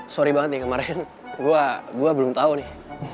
sorry banget nih kemarin gue belum tahu nih